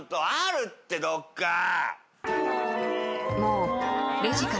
あるってどっか。